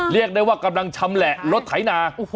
เรียกได้ว่ากำลังชำแหละรถไถนา